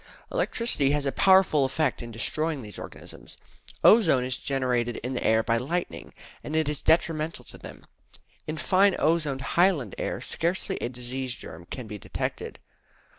Electricity has a powerful effect in destroying these organisms. Ozone is generated in the air by lightning, and it is detrimental to them. In fine ozoned Highland air scarcely a disease germ can be detected.